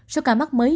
số ca mắc mới